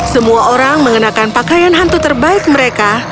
semua orang mengenakan pakaian hantu terbaik mereka